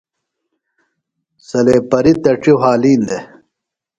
سلیپریۡ تڇیۡ وھالِین دےۡ۔